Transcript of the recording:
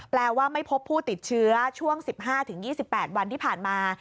ว่าไม่พบผู้ติดเชื้อช่วง๑๕๒๘วันที่ผ่านมา